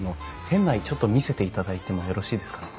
店内ちょっと見せていただいてもよろしいですかね？